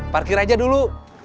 parkir aja dulu